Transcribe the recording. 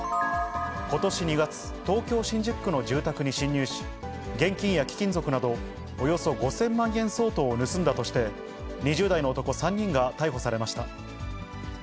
ことし２月、東京・新宿区の住宅に侵入し、現金や貴金属など、およそ５０００万円相当を盗んだとして、２０代の男３人が逮捕されました。